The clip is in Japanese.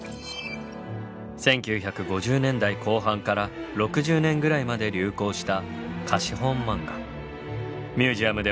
１９５０年代後半から６０年ぐらいまで流行した